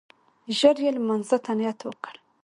ژر يې لمانځه ته نيت وکړ.